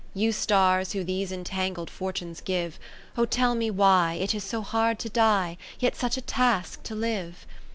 You stars, who these entangled for tunes give, (578) O tell me why It is so hard to die, Yet such a task to live